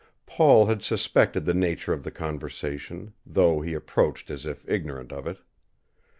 Paul had suspected the nature of the conversation, though he approached as if ignorant of it.